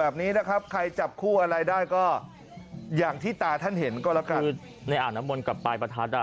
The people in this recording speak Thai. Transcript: บังเอิญหรือเปล่า